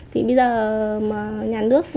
thì bây giờ mà nhà nước